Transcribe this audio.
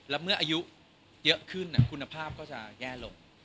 แล้วเมื่ออายุเยอะขึ้นคุณภาพก็จะแย่ลง